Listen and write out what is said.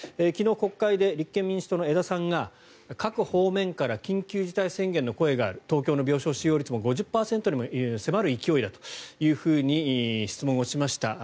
昨日、国会で立憲民主党の江田さんが各方面から緊急事態宣言の声がある東京の病床使用率も５０％に迫る勢いだと質問をしました。